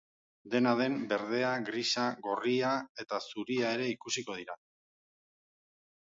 Dena den, berdea, grisa, gorria eta zuria ere ikusiko dira.